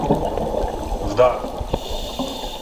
— Вдар!